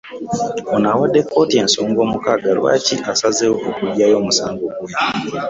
Ono awadde kkooti ensonga mukaaga lwaki asazeewo okuggyayo omusango gwe